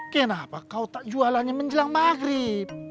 kenapa kau tak jualannya menjelang maghrib